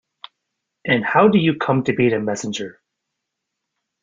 And how do you come to be the messenger?